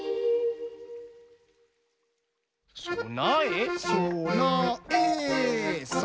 「そなえそなえる！」